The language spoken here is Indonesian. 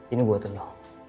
ini buat lo